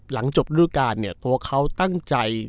หลังจบรูปการณ์เนี่ยตัวเขาตั้งใจ